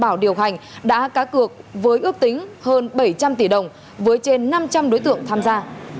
bảo điều hành đã cá cược với ước tính hơn bảy trăm linh tỷ đồng với trên năm trăm linh đối tượng tham gia